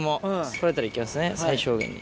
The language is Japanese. これだったらいけますね最小限に。